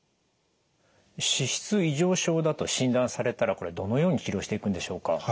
脂質異常症だと診断されたらこれどのように治療していくんでしょうか？